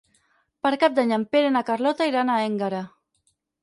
Per Cap d'Any en Pere i na Carlota iran a Énguera.